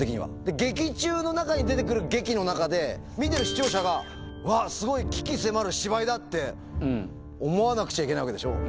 劇中の中に出てくる劇の中で、見てる視聴者が、わっ、すごい鬼気迫る芝居だって思わなくちゃいけないわけでしょ？